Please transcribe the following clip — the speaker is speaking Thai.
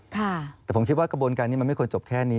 แต่ผมคิดว่ากระบวนการนี้มันไม่ควรจบแค่นี้